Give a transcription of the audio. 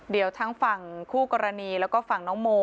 เดี๋ยวคู่กรณีและฝั่งน้องโม